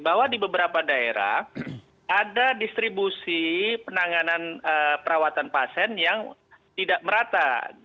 bahwa di beberapa daerah ada distribusi penanganan perawatan pasien yang tidak merata